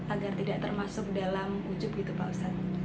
agar tidak termasuk dalam wujud gitu pak ustadz